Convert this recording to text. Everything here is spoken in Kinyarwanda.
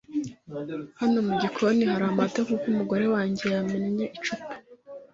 Hano mu gikoni hari amata kuko umugore wanjye yamennye icupa